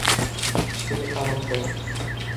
তুমি আরাম কর।